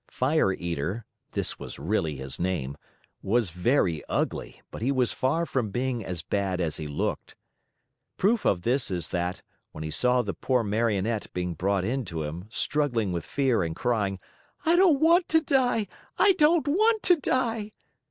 Fire Eater (this was really his name) was very ugly, but he was far from being as bad as he looked. Proof of this is that, when he saw the poor Marionette being brought in to him, struggling with fear and crying, "I don't want to die! I don't want to die!"